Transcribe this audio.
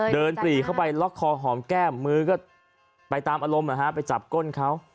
ปรีเข้าไปล็อกคอหอมแก้มมือก็ไปตามอารมณ์ไปจับก้นเขา